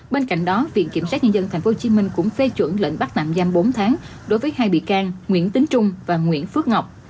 bên cạnh đó viện kiểm sát nhân dân tp hcm cũng phê chuẩn lệnh bắt tạm giam bốn tháng đối với hai bị can nguyễn tính trung và nguyễn phước ngọc